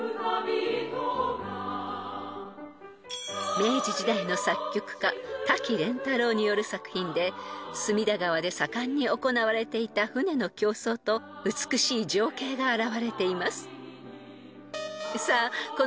［明治時代の作曲家滝廉太郎による作品で隅田川で盛んに行われていた舟の競走と美しい情景が表れています］